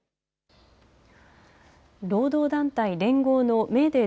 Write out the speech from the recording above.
労働団体、連合のメーデー